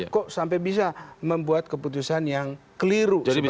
kok sampai bisa membuat keputusan yang keliru seperti itu